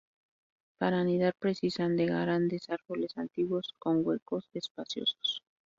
Para anidar precisan de grandes árboles antiguos con huecos espaciosos.